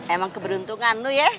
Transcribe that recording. emang keberuntunganmu ya